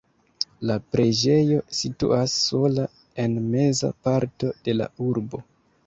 La preĝejo situas sola en meza parto de la urbo.